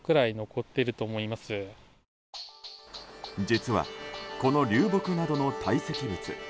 実は、この流木などの堆積物